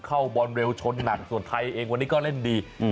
เข้าบอลเร็วชนหนักส่วนไทยเองวันนี้ก็เล่นดี